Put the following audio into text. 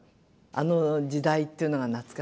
あの時代っていうのが懐かしい。